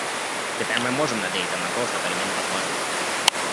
Теперь мы можем надеяться на то, что перемены возможны.